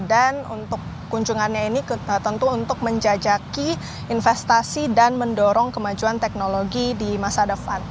dan untuk kunjungannya ini tentu untuk menjajaki investasi dan mendorong kemajuan teknologi di masa depan